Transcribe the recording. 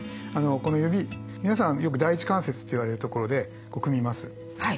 この指皆さんよく第一関節って言われるところで組みます。